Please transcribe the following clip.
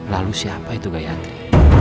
lalu siapa itu gayatri